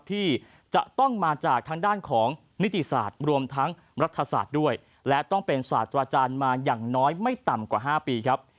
ที่จะต้องมาจากทางด้านของนิติศาสตร์รวมทั้งรัฐศาสตร์ด้วยและต้องเป็นศาสตราจารย์มาอย่างน้อยไม่ต่ำกว่า๕ปีครับ